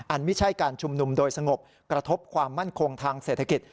ไม่ใช่การชุมนุมโดยสงบกระทบความมั่นคงทางเศรษฐกิจ